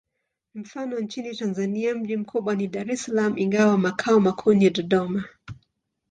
Mfano: nchini Tanzania mji mkubwa ni Dar es Salaam, ingawa makao makuu ni Dodoma.